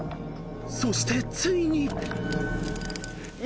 ［そしてついに］